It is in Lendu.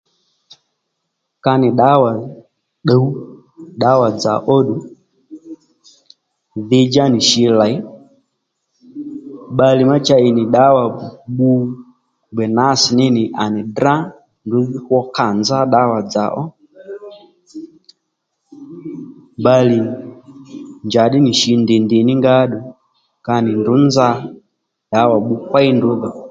Ka nì ddǎwà ddǔw ddǎwà dzà ó ddù dhi djá nì shǐ lèy bbalè ma cha ì nì ddǎwà bbu gbè nǎs ní nì à nì drá ndrǔ hó kâ nzá ddǎwà dzà ó bbalè njàddí nì shǐ ndì ndì ní nga ó ddù ka nì ndrǔ nza ddǎwà bbu kpéy ndrǔ dho